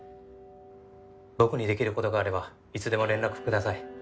僕にできることがあればいつでも連絡ください。